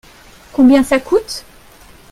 Combien ça coûte ?